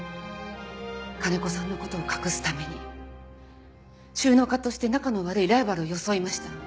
金子さんの事を隠すために収納家として仲の悪いライバルを装いました。